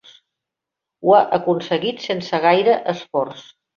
Ho ha aconseguit sense gaire esforç.